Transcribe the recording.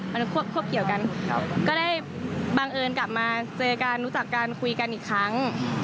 อันนี้ควบเกี่ยวกันก็ได้บังเอิญกลับมาเจอกันรู้จักกันคุยกันอีกครั้ง